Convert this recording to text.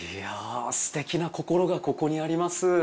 すてきな心がここにあります。